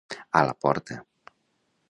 A la porta.